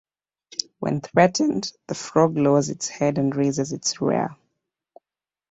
When threatened, the frog lowers its head and raises its rear.